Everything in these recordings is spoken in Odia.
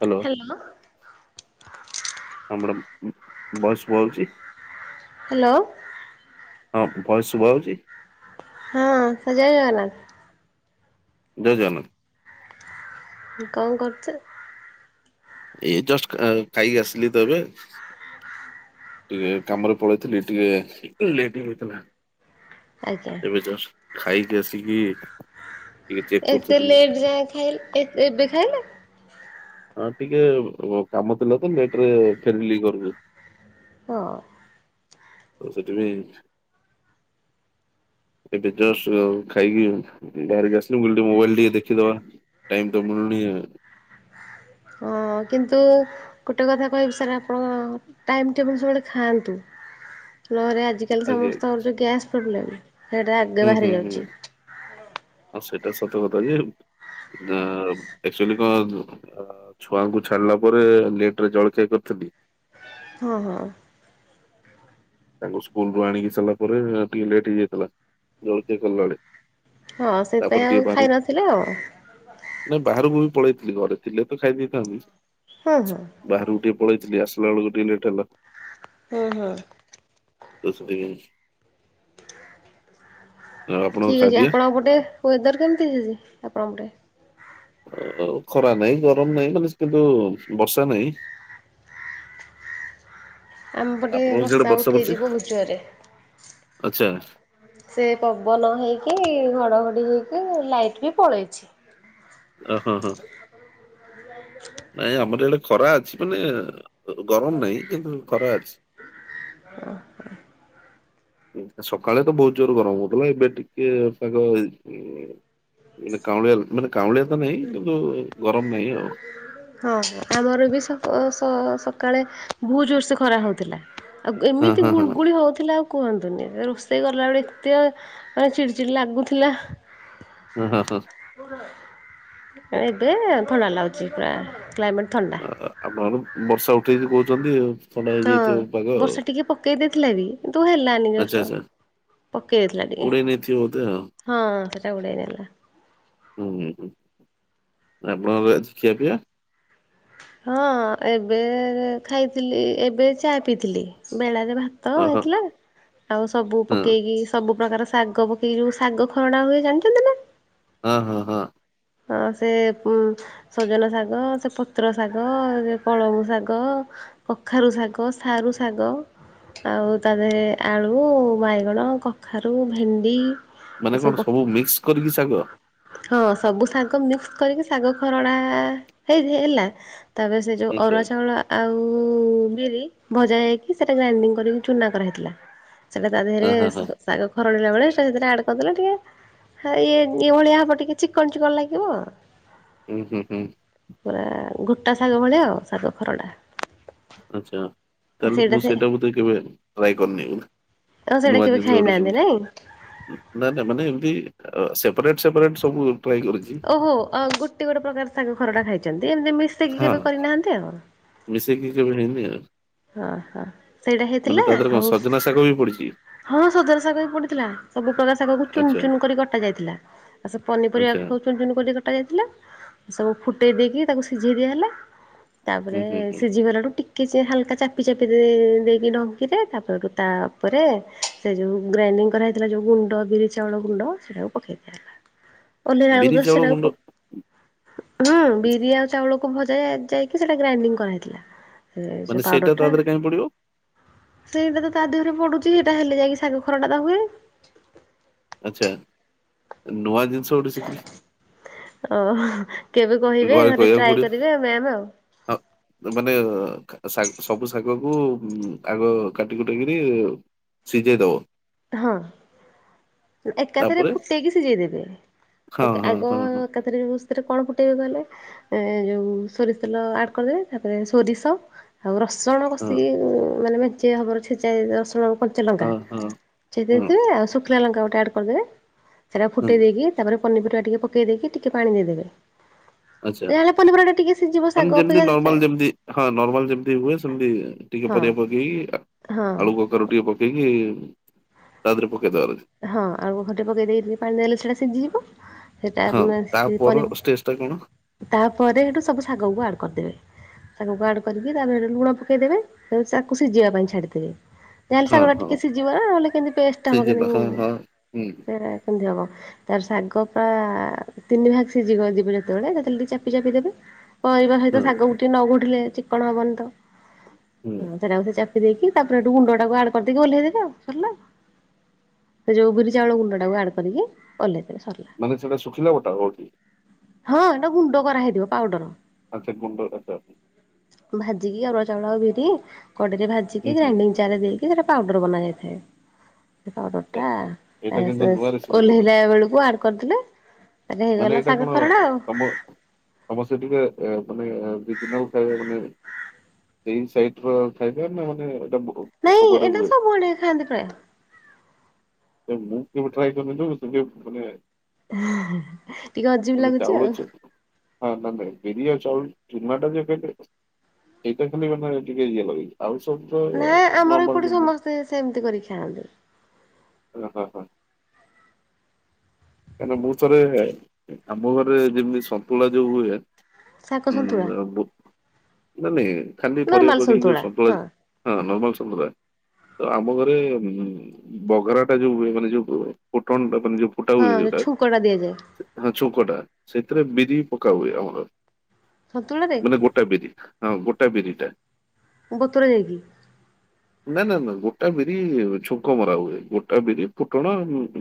ହାଲୋ। ହ୍ୟାଲୋ ହଁ ମ୍ୟାଡମ୍ ଭଏସ୍ ସୁବାଯାଉଚି। ହାଲୋ। ହଁ ଭଏସ୍ ଶୁଭା ହଉଚି? ହଁ ଜୟ ଜଗନ୍ନାଥ। ଜୟ ଜଗନ୍ନାଥ। କଣ କରୁଚ? ଏଇ ଜଷ୍ଟ ଖାଇକି ଆସିଲିତ ଏବେ। ଟିକେ କାମରେ ପଳେଇଥିଲି ଟିକେ ଲେଟ୍ ହେଇଥିଲା ଆଜ୍ଞା ଏବେ ଜଷ୍ଟ ଖାଇକି ଆସିକି ଟିକେ ଚେକ୍ ଏତେ କରୁଥିଲି ଲେଟ୍ ଯାଏ ଖାଇଲେ ଏବେ ଖାଇଲେ? ହଁ ଟିକେ କାମ ଥିଲାତ ଲେଟରେ ଫେରଲି ଘରକୁ। ହଁ। [unintelligible] ଏବେ ଜଷ୍ଟ ଖାଇକି ବାହାରିକି ଆସିଲୁ ମୁ କାଇଲି ଟିକେ ମୋବାଇଲ ଟିକେ ଦେଖିଦବା। ଟାଇମ ତ ମିଳୁନି ଆ ହଁ କିନ୍ତୁ ଗୋଟେ କଥା କହିବି ସାର୍ ଆପଣ ଟାଇମ୍ ଟେବୁଲ୍ ସବୁବେଳେ ଖାଆନ୍ତୁ। ନହରେ ଆଜି କାଲି ଆଜ୍ଞା ସମସ୍ତଙ୍କର ଯୋଉ ଗ୍ୟାସ୍ ପ୍ରୋବ୍ଲେମ ହୁଁ ହୁଁ ହୁଁ ଆଉ ସେଇଟା ସତ କଥା ଯେ ନା ଆକ୍ଚୁଲି କଣ ଛୁଆଙ୍କୁ ଛାଡିଲା ପରେ ଲେଟ ରେ ଜଳଖିଆ କରିଥିଲି। ହଁ ହଁ। ତାଙ୍କୁ ସ୍କୁଲ ରୁ ଆଣିକି ସାରିଲା ପରେ ଟିକେ ଲେଟ୍ ହେଇଯାଇଥିଲା ଜଳଖିଆ କଲା ବେଳେ। ହଁ ସେଇଥିପାଇଁ ଆଉ ଖାଇନଥିଲେ ଆଉ। ନାଇଁ ବାହାରକୁ ବି ପଳେଇଥିଲି ଘରେ ଥିଲେ ତ ଖାଇ ଦେଇେଥାନ୍ତି। ହଁ ହଁ। ବାହାରକୁ ଟିକେ ପଳେଇଥିଲ ଆସିଲା ବେଳକୁ ଟିକେ ଲେଟ୍ ହେଲା। ହୁଁ ହୁଁ। ଦ ସେ ଟିକେ ଆଉ ଆପଣଙ୍କ ଠିକ ଅଛି ଖାବିଆ ଆପଣଙ୍କ ପଟେ ୱେଦର କେମିତି [unintelligible] ଆପଣଙ୍କ ପଟେ? ଖରା ନାହିଁ ଗରମ ନାଇଁ ମାନେ କିନ୍ତୁ ବର୍ଷା ନାହିଁ। ଆମପଟେ ଆପଣଙ୍କ ସିଆଡେ ବର୍ଷା ବର୍ଷି ଉଠେଇଚି ବହୁତ ଜୋରେ। ଆଚ୍ଛା। ସେ ପବନ ହେଇକି ଘଡ଼ଘଡ଼ି ହୋଇକି ଲାଇଟ୍ ବି ପଳେଇଚି। ଆ ହଁ ହଁ। ନାଇଁ ଆମର ଏଡେ ଖରା ଅଛି ମାନେ ଗରମ ନାହିଁ କିନ୍ତୁ ଖରା ଅଛି। ଓ ହ। ସକାଳେ ତ ବହୁତ ଜୋର ଗରମ ହଉଥିଲା ଏବେ ଟିକେ ପାଗ ଉ ମ ମାନେ କାଉଁଳିଆ ମାନେ କାଉଁଳିଆ ତ ନାହିଁ କିନ୍ତୁ ଗରମ ନାହିଁ ଆଉ। ହଁ ଆମର ବି ସ ସ ସକାଳେ ଭହୁତ ଜୋରସେ ଖରା ହଉଥିଲା। ଆଉ ଗ ହଁ ଏମିତି ହଁ ହଁ ଗୁଳଗୁଳି ହଉଥିଲା ଆଉ କୁହନ୍ତୁନି ରୋଷେଇ କଲାବେଳେ ଏତେ ମାନେ ଚିଡ଼ି ଚିଡ଼ି ଲାଗୁଥିଲା। ହୁଁ ହଁ ହୁଁ। ଏବେ ଥଣ୍ଡା ଲାଗୁଚି ପୁରା କ୍ଲାଇମେଟ ଥଣ୍ଡା। ଆ ଆପଣଙ୍କ ର ବର୍ଷା ଉଠେଇଚି କହୁଚନ୍ତି ଥଣ୍ଡା ହଁ ହେଇଯାଇଥିବ ପାଗ ଆଉ। ବର୍ଷା ଟିକେ ପକେଇ ଦେଇଥିଲା ବି କିତୁ ହେଲାନି ଆଚ୍ଛା ଜଷ୍ଟ ଆଚ୍ଛା ପକେଇ ଦେଇଥିଲା ଟିକେ। ଉଡେଇ ନେଇଥିବ ବୋଧେ ଆଉ ହଁ ସେଟା ଉଡେଇନଲା। ହୁଁ ହୁଁ। ଆପଣଙ୍କର ଆଜି ଖିଆପିଆ? ହଁ ଏବେ ଏ ଖାଇଥିଲି ଏବେ ଚା ପିଇଥିଲି ବେଳାରେ ଭା ତ ଓହୋ ହେଇଥିଲା ଆଉ ସବୁ ହଁ ପକେଇକି ସବୁ ପ୍ର୍ରକାର ଶାଗ ପକେଇକି ଯୋଉ ଶାଗ ଖରଡ଼ା ହୁଏ ଜାଣିଚନ୍ତି ନା? ହଁ ହଁ ହଁ। ହଁ ସେ ଉ ସଜନ ଶାଗ ସେ ପତ୍ର ଶାଗ ସେ ପାଳଙ୍ଗ ଶାଗ କଖାରୁ ଶାଗ ସାରୁ ଶାଗ ଆଉ ତା ଦେହରେ ଆଳୁ, ବାଇଗଣ, କଖାରୁ, ଭେଣ୍ଡି ମାନେ କଣ ଏସବୁ ସବୁ ମିକ୍ସ କରିକି ଶାଗ? ହଁ ସବୁ ଶାଗ ମିକ୍ସ କରିକି ଶାଗ ଖରଡା ହେଇ ହେଲା। ତାପରେ ସେ ଯୋଉ ଆଚ୍ଛା ଅରୁଆ ଚାଉଳା ଆଉ ବିରି ଭଜା ହେଇକି ସେଟା ଗ୍ରାଇଣ୍ଡିଙ୍ଗ କରିକି ଚୁନା କରାହେଇଥିଲା। ସେଟା ତା ଅ ଦେହରେ ହଁ ହଁ ସ ଶାଗ ଖରଡିଲା ବେଳେ ସେଇଥିରେ ଆଡ଼ କରିଦେଲେ ଟିକେ ଇଏ ଏଇ ଭଳିଆ ହବ ଟିକେ ଚିକ୍ କଣ ଚିକ୍କଣ ଲାଗିବ। ହୁଁ ହୁଁ ହୁଁ। ପୁରା ଘୁଟା ଶାଗ ଭଳିଆ ଆଉ ଶାଗ ଖରଡ଼ା। ଆଚ୍ଛା ତାହେଲେ ମୁଁ ସେଇଟା ଟିକେ କେବେ ଟ୍ରାଏ କରିନେବି। ଆଉ ସେଇଟା ନୂଆ କେବେ ଜିନିଷ ଗୋଟେ ଖାଇନାହାନ୍ତି ନାଇଁ? ଶୁଣିଲି। ନା ନା ମାନେ ଏମିତି ଅ ସେପାରେଟ୍ ସେପାରେଟ୍ ସବୁ ଟ୍ରାଏ କରିଚି। ଓହୋ ଅ ଗୋଟେ ଗୋଟେ ପ୍ରକାର ଶାଗ ଖରଡ଼ା ଖାଇଛନ୍ତି ଏମିତି ମିଶେଇକି ହଁ କେବେ କରିନାହାନ୍ତି ଆଉ। ମିଶେଇକି କେବେ ହେଇନି ଆଉ। ହଁ ହଁ ସେଇଟା ମାନେ ହେଇଥିଲେ ତା ଦେହରେ କଣ ଆଉ ସଜନା ଶାଗ ବି ପଡିଛି ହଁ ସଜନା ଶାଗ ବି ପଡିଥିଲା ସବୁ ପ୍ରକାର ଶାଗକୁ ଚୁନ ଆଚ୍ଛା। ଚୁନ କରି କଟା ଯାଇଥିଲା। ଆସ ଆଚ୍ଛା ପନିପରିବାକୁ ଚୁନ ଚୁନ କରିବା। ଫୁଟା ଯାଇଥିଲା ସବୁ ଫୁଟେଇ ଦେଇକି ତାକୁ ସିଝେଇ ଦିଆ ହେଲା। ହୁଁ ତାପରେ ହୁଁ ହୁଁ ସିଝିଗଲାଠୁ ଟିକେ ଯେ ହାଲକା ଚାପି ଚାପି ଦେଇ ଦେଇକି ଡ଼ଙ୍କିରେ ତା ପରକୁ ତା ଉପରେ ସେ ଯେଉଁ ଗ୍ରାଇଣ୍ଡିଙ୍ଗ କରା ସେଟା ଯେଉଁ ଗୁଣ୍ଡ ବିରି ଚାଉଳ ଗୁଣ୍ଡ ସେଇଟାକୁ ପକେଇଦବା। ଓହ୍ଲେଇଲା ବେଳକୁ ବିରି ଚାଉଳ ବସିଲା ଗୁଣ୍ଡ ବେଳକୁ ହୁଁ ବିରି ଆଉ ଚାଉଳକୁ ଭଜା ଯା ଯାଇକି ସେଟା ଗ୍ରାଇଣ୍ଡିଙ୍ଗ କରାହେଇଥିଲା ମାନେ ସେ ସେଇଟା ପାଉଡର ତା ଟା ଉପରେ କଣ ପଡିବ? ସେଇଟା ତ ତା ଦେହରେ ପଡୁଛି ଏଇଟା ହେଲେ ଯାଇକି ଶାଗ ଖରଡ଼ାଟା ହୁଏ। ଆଚ୍ଛା ନୂଆ ଜିନିଷ ଗୋଟେ ଶିଖିଲି। ଓହୋ କେବେ କହିବେ ଘରେ କହିବାକୁ ଟ୍ରାଏ ପଡିବ। କରିବେ ମ୍ୟାମ୍ ଆଉ। ହଁ ମାନେ ଶାଗ ସବୁ ଶାଗ କୁ ଆଗ କାଟି କୁଟିକିରି ସିଝେଇ ଦବ। ହଁ। ଏକାଥରେ ତାପରେ ଫୁଟେଇକି ସିଝେଇଦେବେ ହଁ ଏକା ହଁ ଆଗ ହଁ ହଁ ଏକାଥରେ ସେଥିରେ କଣ ଫୁଟେଇବେ କହିଲେ? ଏ ଯୋଉ ସୋରିଷ ତେଲ ଆଡ କରିଦେବେ ତାପରେ ସୋରିଷ ଆଉ ରସ ସେଗୁଡ଼ା ହଁ ବସେଇକି ମାନେ ମେଞ୍ଚିଏ ଭାବରେ ଛେଚା ହେଇ ରସୁଣ ଆଉ ହଁ କଞ୍ଚାଲଙ୍କା। ଛେଚି ହଁ ହଁ ଦେଇଥିବେ ଆଉ ଶୁଖିଲା ଲଙ୍କା ଗୋଟେ ଆଡ୍ କରିଦେବେ ସେଇଟାକୁ ହଁ ଫୁଟେଇ ଦେଇକି ତାପରେ ପନିପରିବା ଟିକେ ପକେଇ ଦେଇକି ଟିକେ ପାଣି ଦେଇଦେବେ ଆଚ୍ଛା ଯାହା ହେଲେ ପନିପରିବାଟା ଟିକେ ସିଝିବ ଶାଗ ମାନେ ଯେମିତି ଅପେକ୍ଷା ନର୍ମାଲ ଯେମିତି ହଁ ନର୍ମାଲ ଯେମିତି ହୁଏ ସେମିତି ଟିକେ ହଁ ପରିବା ପକେଇକି ଆ ହଁ। ଆଳୁ ପତର ଟିକେ ପକେଇକି ତା ଦେହରେ ପକେଇଦବା ପରେ। ହଁ ଆଉ ଘୋଟି ପକେଇ ଦେଇ ଟିକେ ପାଣି ଦେଇଦେଲେ ସେଇଟା ସିଝିଯିବ। ସେଇଟା ହଁ ମାନେ ତା ସେ ପର କରି ଷ୍ଟେଜ ଟା କଣ ତାପରେ ସେଠୁ ସବୁ ଶାଗକୁ ଆଡ୍‌ କରିଦେବେ। ଶାଗକୁ ଆଡ୍‌ କରିକି ତାପରେ ସେଇଠୁ ଲୁଣ ପକେଇଦବେ ତାପରେ ତାକୁ ସିଝିବା ପାଇଁ ଛାଡିଦେବେ। ଯାହାହେଲେ ହଁ ଶାଗଟା ହଁ ଟିକେ ସିଝିବ ନା ନହେଲେ କେମିତି ପେଷ୍ଟଟା ହବ କେମିତି। ହୁଁଁ। ସେଇଟା କେମିତି ହବ? ତାପରେ ଶାଗ ପୁରା ତିନି ଭାଗ ସିଝିଗ ଯିବ ଯେତେବେଳେ ତା ଦେହରେ ଟିକେ ଚାପି ଚାପି ଦେବେ। ପରିବା ସହିତ ହଁ ଶାଗକୁ ଟିକେ ନ ଘୋଟିଲେ ଚିକ୍କଣ ହବନି ତ। ହୁଁ ହଁ ସେଇଟାକୁ ସେ ଚାପି ପି ଦେଇକି ତାପରେ ସେଇଠୁ ଗୁଣ୍ଡଟାକୁ ଆଡ କରିଦେଇକି ଓହ୍ଲେଇ ଦେବେ ଆଉ ସରିଲା ଆଉ। ସେ ଯେଉଁ ବିରି ଚାଉଳ ଗୁଣ୍ଡ ଟାକୁ ଆଡ କରିକି ଓହ୍ଲେଇ ଦେବେ ସରିଲା। ମାନେ ସେଇଟା ଶୁଖିଲା ଘୋଟା ହେବ କି? ହଁ ଏଇଟା ଗୁଣ୍ଡ କରା ହେଇଥିବ ପାଉଡର। ଆଛା ଗୁଣ୍ଡ ଆଛା। ଭାଜିକି ଅରୁଆ ଚାଉଳ ଆଉ ବିରି କଡ଼େଇରେ ଭାଜିକି ହୁଁ ଗ୍ରାଇଣ୍ଡିଙ୍ଗ ଜାରରେ ଦେଇକି ସେଇଟା ପାଉଡ଼ର ବନା ଯାଇଥାଏ। ଆଚ୍ଛା ପାଉଡ଼ରଟା ଏଇଟା ଏସ୍ କିନ୍ତୁ ଏସ୍ ନୂଆ ରେସିପି ଗୋଟେ ଓହ୍ଲେଇଲା ବେଳକୁ ଆଡ କରିଦେଲେ ତାପରେ ହେଇଗଲା ଶାଗ ଅବ ଖରଡ଼ା ଆଉ ଅବ ଅବଶ୍ୟ ଟିକେ ଏ ମାନେ ଏ ଦି ତିନିଟାକୁ ଖାଇବା ମାନେ ସେଇ ସାଇଟ ର ଖାଇବା ନା ମାନେ ଏଇଟାକୁ ନାଇଁ ଏଇଟା ସବୁଆଡେ ଖାଆନ୍ତି ପ୍ରାୟ। ନାଇଁ ମୁଁ କେବେ ଟ୍ରାଏ କରିନି ତ ମତେ ଟିକେ ଭଲ ଲାଗେନି। ଟିକେ ଅଜିବ ଲାଗୁଛି ଆଉ [inaudible] ହଁ ନ ବିରିୟା ଚାଉଳ ଚୁନାଟା ଯେ କେ। [unintelligible] ସେ ସେମିତି କରିକି ଖାଆନ୍ତି। ଓ ହୋ ହଁ। କାଁକ ମୁଁ ଥରେ ଆମ ଘରେ ଯେମିତି ସନ୍ତୁଳା ଯୋଉ ହୁଏ ଶାଗ ସନ୍ତୁଳା ନ ନାଇଁ ଖାଲି ପରିବା ନର୍ମାଲ ପଡିକି ଯୋଉ ସନ୍ତୁଳା ସଫଳ ହଁ। ହଁ ନର୍ମାଲ ସନ୍ତୁଳା। ତ ଆମ ଘରେ ଉଁ ବଗରା ଟା ଯୋଉ ହୁଏ ମାନେ ଯୋଉ ଫୋଟଣ ଟା ମାନେ ଯୋଉ ଫୁ ହଁ ଯୋଉ ଛୁଙ୍କଟା ଦିଆଯାଏ। ହ ଛୁଙ୍କଟା ସେଥିରେ ବିରି ପକା ହୁଏ ଆମର ସନ୍ତୁଳାରେ ମାନେ ଗୋ ଟା ବିରି ହଁ ଗୋଟା ବିରି ଟା। ବତୁରେ ଦେଇକି। ନାଇଁ ନା ନା ଗୋଟା ବିରି ଛୁଙ୍କ ମରା ହୁଏ ଗୋଟା ବିରି ଫୁଟଣ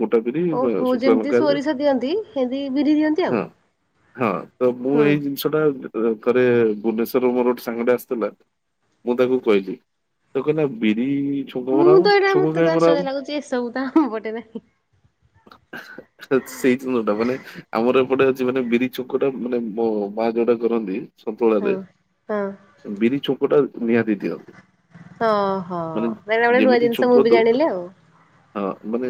ଗୋଟା ବିରି ହ ଓହୋ ଯେମିତି ହୁଁ ସୋରିଷ ଦିଅନ୍ତି ସେମିତି ବିରି ଦିଅନ୍ତି ଆଉ। ହ ତ ମୁଁ ହୁଁ ଏଇ ଛଟା କରେ ଭୁବନେଶ୍ଵର ମୋର ଗୋଟେ ସାଙ୍ଗଟେ ଆସିଥିଲା ମୁଁ ତାଙ୍କୁ କହିଲି ତ କହିଲା ବିରି ଛୁ ମୁଁ ତ ଏଇଟା ମତେ ଆଶ୍ଚର୍ଯ୍ୟ ଲାଗୁଛି ଏସବୁ ତ ଆମପଟେ ନାହିଁ। ସେଇ ଦିନ ଟା ମାନେ ଆମର ଏପଟେ ଅଛି ମାନେ ବିରି ଚୋକଟା ମାନେ ମୋ ମା ଯୋଉଟା କରନ୍ତି। ସନ୍ତୁଳା ରେ ହଁ ହଁ ବିରି ଛୁଙ୍କ ଟା ନିହାତି ଦିଅ। ହ ହ ବେଳେ ବେଳେ ନୂଆ ଯେମିତି ଜିନିଷ ଛୁଙ୍କ ମୁଁ ବି ଦଉ ଜାଣିଲି ଆଉ। ହଁ ମାନେ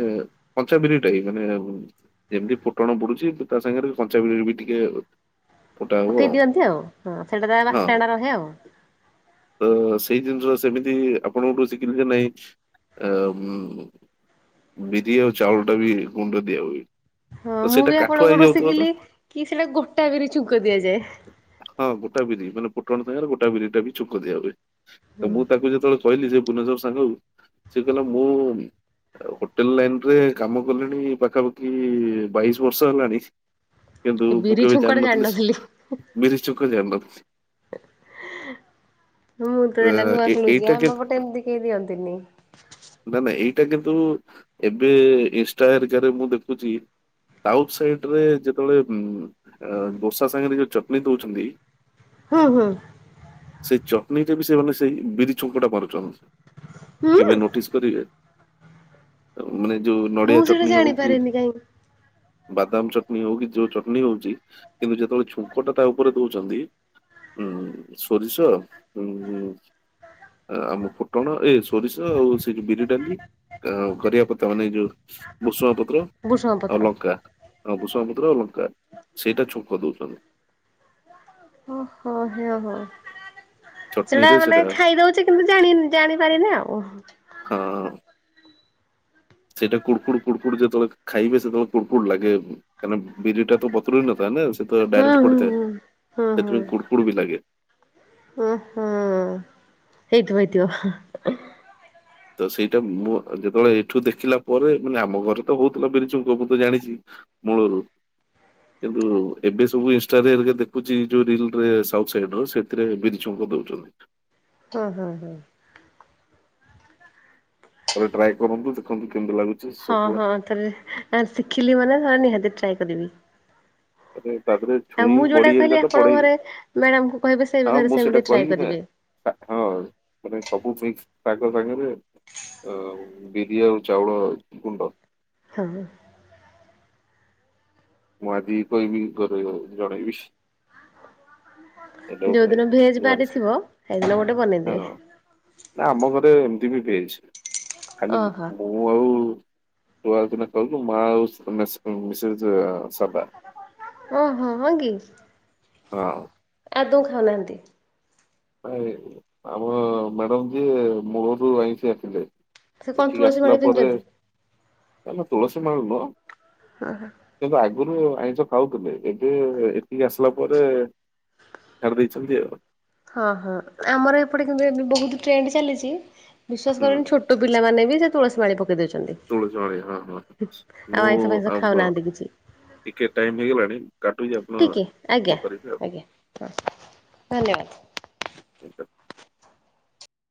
ପଞ୍ଚାବିରି ଟାଇ। ମାନେ ଯେମିତି ଫୁଟଣ ପଡୁଚି ତା ସାଙ୍ଗରେ କଞ୍ଚାବିରି ବି ଟିକେ ଫୁଟା ହବ ପକେଇ ଦିଅନ୍ତି ଆଉ ହଁ ସେଇଟା ତ ବାସ୍ନା ଟା ରହେ ଆଉ। ଆ ସେଇ ଜିନିଷ ସେମିତି ଆପଣ କୋଠୁ ଶିଖିଲି ଯେ ନାଇଁ। ଆ ଉଁ ବିଦି ଓ ଚାଉଳ ଟା ବି ଗୁଣ୍ଡ ଦିଆ ହୁଏ। ହଁ ତ ମୁଁ ସେଇଟା ବି କାଠୁଆ ଆପଣଙ୍କଠୁ ହେଇଯାଉଥିବ ତ ଶିଖିଲି କି ସେଇଟା ଗୋଟା ବିରି ଛୁଙ୍କ ଦିଆଯାଏ। ହଁ ଗୋଟା ବିରି ମାନେ ଫୁଟଣ ସାଙ୍ଗରେ ଗୋଟା ବିରି ଟା ବି ଛୁଙ୍କ ଦିଆ ହୁଏ ତ ମୁଁ ତାକୁ ଯେତେବେଳେ କହିଲି ସେ ଭୁବନେଶ୍ୱର ସାଙ୍ଗ କୁ ସେ କହିଲା ମୁଁ ହୋଟେଲ ଲାଇନ୍ ରେ କାମ କଲି ଣି ପାଖାପାଖି ବାଇଶି ବର୍ଷ ହେଲାଣି କିନ୍ତୁ ଏ ମୁଁ ବିରି କେବେ ଛୁଙ୍କଟା ଜାଣିନଥିଲି ବିରି ଛୁଙ୍କ ଜାଣିନଥିଲି। ମୁଁ ତ ଅ, ଦେଲା ନୂଆ ଏ- ଶୁଣୁଛି ଏଇଟା ଆମ କିନ୍ତୁ ପଟେ ଏମିତି କେହି ଦିଅନ୍ତିନି। ନା ନା ଏଇଟା କିନ୍ତୁ ଏବେ ଇନ୍ଷ୍ଟା ହେରିକା ରେ ମୁଁ ଦେଖୁଛି ସାଉଥ୍ ସାଇଡ୍ ରେ ଯେତେବେଳେ ଉମ ଅ ଦୋସା ସାଙ୍ଗରେ ଯୋଉ ଚଟଣି ଦଉଛନ୍ତି ହୁଁ ହୁଁ। ସେଇ ଚଟଣିଟା ବି ସେମାନେ ସେଇ ବିରି ଛୁଙ୍କଟା ମାରୁଛନ୍ତି ହୁଁ କେବେ ନୋଟିସ୍ କରିବେ ଆଉ ମାନେ ଯୋଉ ମୁଁ ନଡ଼ିଆ ସେଇଟା ଚଟଣି ହଉ କି ଜାଣିପାରେନି କାହିଁ ବାଦାମ ଚଟଣି ହଉ କି ଯୋଉ ଚଟଣି ହଉଛି କିନ୍ତୁ ଯେତେବେଳେ ଛୁଙ୍କ ଟା ତା ଉପରେ ଦଉଛନ୍ତି ହୁଁ ସୋରିଷଁ ଉମ ଆମ ଫୁଟଣ ଏ ସୋରିଷ ଆଉ ସେ ବିରି ଡାଲି ଆ କରିବାପତ୍ତା ମାନେ ଯୋଉ ଭୂଷଙ୍ଗ ପତ୍ର ଭୃଷଙ୍ଗ ଆଉ ପତ୍ର। ଲଙ୍କା ଆଉ ଭୁସଙ୍ଗ ପତ୍ର ଅଉ ଲଙ୍କା ସେଇଟା ଛୁଙ୍କ ଦଉଛନ୍ତି। ଓ ହୋ ହେଅ ହ। ସେଟା ଚଟଣିରେ ମାନେ ସେଇଟା ଖାଇଦଉଛି କିନ୍ତୁ ଜାଣିନି ଜାଣି ପାରେନି ଆଉ। ହଁ। ସେଇଟା କୁଡ଼ୁକୁଡ଼ୁ କୁଡ଼ୁକୁଡ଼ୁ ଯେତେବେଳେ ଖାଇବେ ସେତେବେଳେ କୁଡ଼ୁ କୁଡ଼ୁ ଲାଗେ। କାରଣ ବିରିଟା ତ ବତୁରେହେଇ ନଥାଏ ନା ସେ ତ ହଁ ଡାଇରେକ୍ଟ ପଡ଼ି ଥାଏ ହଁ ହଁ ହଁ ହଁ ସେଥିପାଇଁ କୁଡ଼କୁଡ଼ ବି ଲାଗେ। ଓ ହଁ ହେଇଥିବ ହେଇଥିବ। ତ ସେଇଟା ମୁଁ ଯେତେବେଳେ ଏଇଠୁ ଦେଖିଲା ପରେ ମାନେ ଆମ ଘରେ ତ ହଉଥିଲା ବିରିଛୁଙ୍କ ମୁ ତ ଜାଣିଛି ମୁଳରୁ କିନ୍ତୁ ଏବେ ସବୁ ଇନ୍‌ଷ୍ଟାରେ ହେରିକା ଦେଖୁଛି ଯୋଉ ରିଲ୍ ରେ ସାଉଥ୍ ସାଇଡ୍ ର ସେଥିରେ ବିରିଛୁଙ୍କ ଦଉଛନ୍ତି। ହୁଁ ହୁଁ ହୁଁ। ଥରେ ଟ୍ରାଏ କରନ୍ତୁ ଦେଖନ୍ତୁ କେମିତି ଲାଗୁ ହଁ ହଁ ଥରେ ଆ ଶିଖିଲି ମାନେ ହଁ ନିହାତି ଟ୍ରାଏ କରିବି। ମାନେ ତା ଦେହରେ ଆଉ ଛୁଇଁ ମୁଁ ବଡି ଯୋଉଟା ହେରିକା କହିଲି ତ ଆପଣଙ୍କ ପଡେ ଘରେ ମ୍ୟାଡାମ୍ କୁ କହିବେ ସେ ବି ହଁ ଘରେ ମୁଁ ସେଇଟା ସେମିତି ଟ୍ରାଏ କହିବି ନା। କରିବେ। [unintelligible] ମାନେ ସବୁ ମିକ୍ସ ପାଗ ସାଙ୍ଗରେ ଆ ବିରି ଆଉ ଚାଉଳ ଗୁଣ୍ଡ ହଁ। ମୁଁ ଆଜିି କହବିି ଘରେ ଜଣେଇବି। ଏଇଟା ଯୋଉ ଗୋଟେ ଦିନ ଭେଜ୍ ନୂଆ ରେସିପି ବାରିଥିବ ସେଇଦିନ ଗୋଟେ ବନେଇ ହଁ ଦେବେ। ନା ଆମ ଘରେ ଏମିତି ବି ଭେଜ୍‌ ଖାଲି ଓହୋ। ମୁଁ [unintelligible] ଓହୋ ହ କି? ହଁ। ଏଦୌ ଖାଉନାହାନ୍ତି? ନାଇ ଆମ ମ୍ୟାଡ଼ମ୍ ଯିଏ ମୂଳରୁ ଆଇଁଷିଆ ଥିଲେ ସେ କଣ ଏଠିକି ତୁଳସୀ ଆସିଲା ମାଳି ପରେ ପିନ୍ଧଛନ୍ତି? [unintelligible] ତୁଳସୀ ମାଳ ନୁହଁ। ହଁ ହାଁ। କିନ୍ତୁ ଆଗରୁ ଆଇଁଷ ଖାଉଥିଲେ ଏବେ ଏଠିକି ଆସିଲା ପରେ ଛାଡ଼ିଦେଇଛନ୍ତି ଆଉ। ହଁ ହଁ ଆମର ଏପଟେ କିନ୍ତୁ ଏ ବହୁତ ଟ୍ରେଣ୍ଡ ଚାଲିଛି। ବିଶ୍ୱାସ ହୁଁ କରିବେନି ଛୋଟ ପିଲାମାନେ ବି ସେ ତୁଳସୀ ମାଳି ପକେଇ ଦଉଛନ୍ତି। ତୁଳସୀ ମାଳି ହଁ ହଁ ମୁଁ ଆଇଁଷ ଫାଇଁଷ ଆମ ଖାଉନାହାନ୍ତି କିଛି। ଟିକେ ଟାଇମ ହେଇଗଲାଣି। କାଟୁଛି ଆପଣ ଠିକି ଆଜ୍ଞା ଇଏ କରିବେ ଆଉ। ଆଜ୍ଞା ହଁ ଧନ୍ୟବାଦ। [inaudible]